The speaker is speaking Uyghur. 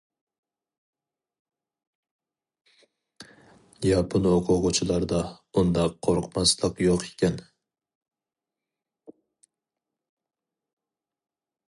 ياپون ئوقۇغۇچىلاردا ئۇنداق قورقماسلىق يوق ئىكەن.